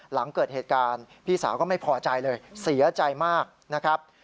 หลังเกิดเหตุการณ์พี่สาวก็ไม่พอใจเลยเสียใจมากนะครับ